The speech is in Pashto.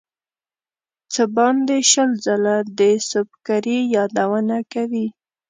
څه باندې شل ځله د سُبکري یادونه کوي.